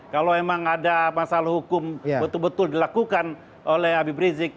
kalau memang ada masalah hukum betul betul dilakukan oleh habib rizik